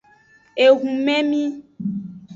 Ehumemi.